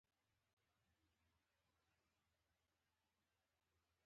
غول د خوب کمښت اغېزمن کوي.